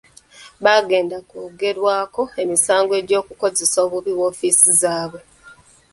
Bagenda kwongerwako emisango gy'okukozesa obubi woofiisi zaabwe.